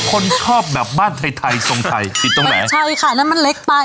ก็คนชอบแบบบ้านไทยไทยทรงไทยติดตรงแหละไม่ใช่ค่ะนั่นมันเล็กไป